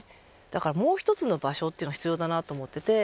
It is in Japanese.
だからもう１つの場所って必要だなと思ってて。